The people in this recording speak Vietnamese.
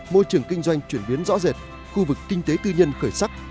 môi trường kinh doanh chuyển biến rõ rệt khu vực kinh tế tư nhân khởi sắc